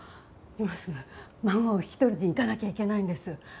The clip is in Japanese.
今すぐ孫を引き取りに行かなきゃいけないんです。